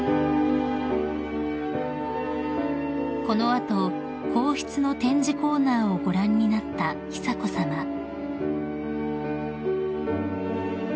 ［この後皇室の展示コーナーをご覧になった久子さま］